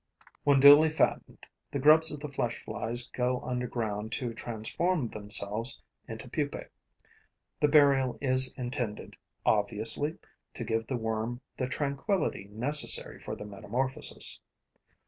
When duly fattened, the grubs of the flesh flies go underground to transform themselves into pupae. The burial is intended, obviously, to give the worm the tranquillity necessary for the metamorphosis.